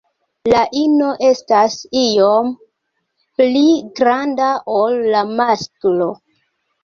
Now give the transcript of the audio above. La ino estas iom pli granda ol la masklo.